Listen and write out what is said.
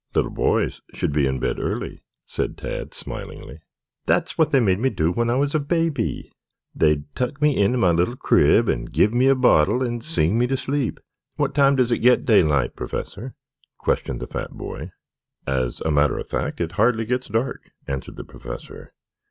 "Little boys should be in bed early," said Tad smilingly. "That's what they made me do when I was a baby. They'd tuck me in my little crib and give me a bottle and sing me to sleep. What time does it get daylight, Professor?" questioned the fat boy. "As a matter of fact it hardly gets dark," answered the Professor.